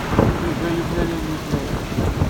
Yuba yuklal ayen yifen aya.